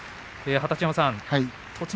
二十山さん栃ノ